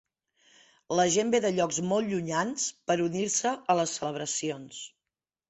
La gent ve de llocs molt llunyans per unir-se a les celebracions.